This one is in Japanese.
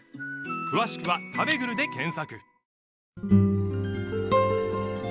詳しくは「たべぐる」で検索